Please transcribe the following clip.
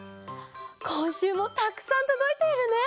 こんしゅうもたくさんとどいているね！